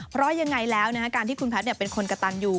เพราะยังไงแล้วการที่คุณแพทย์เป็นคนกระตันอยู่